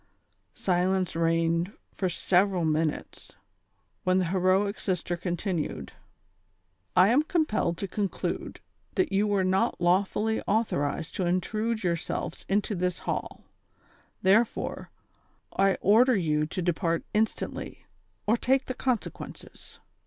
Silence i eigned for several minutes, when the heroic sister continued : "I am compelled to conclude that yoTi were not lawfully authorized to intrude yourselves into this hall ; therefore, I order you to depart instantly, or take the consequences."